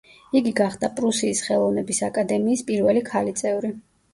იგი გახდა პრუსიის ხელოვნების აკადემიის პირველი ქალი წევრი.